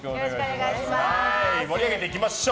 盛り上げていきましょう。